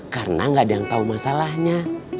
karena gak ada yang tahu masalahnya